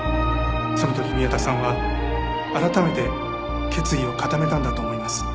その時宮田さんは改めて決意を固めたんだと思います。